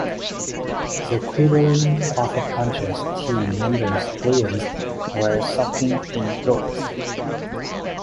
The Quiberon Quafflepunchers team members players wear shocking-pink robes.